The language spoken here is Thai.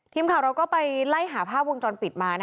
ทีมข่าวเราก็ไปไล่หาภาพวงจรปิดมา